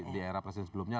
di era presiden sebelumnya